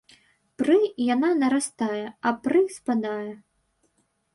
Пры яна нарастае, а пры спадае.